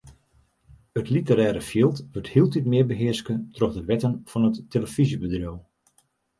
It literêre fjild wurdt hieltyd mear behearske troch de wetten fan it telefyzjebedriuw.